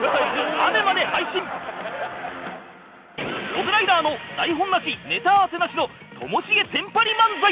モグライダーの台本なしネタ合わせなしのともしげテンパリ漫才